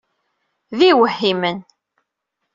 D iwehhimen!